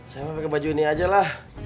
saya mau pakai baju ini aja lah